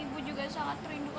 ibu juga sangat rindukanmu